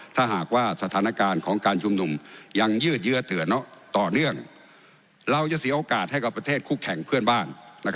ถ้าหากว่าสถานการณ์ของการชุมนุมยังยืดเยื้อต่อเนื่องเราจะเสียโอกาสให้กับประเทศคู่แข่งเพื่อนบ้าน